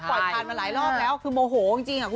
ปล่อยกาวนร้อยรอบแล้วคือโมโหจริงจริงอ่ะ